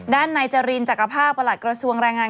ด้านในจรินจักรภาพประหลัดกระทรวงแรงงาน